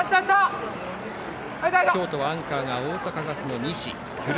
京都はアンカーが大阪ガスの西。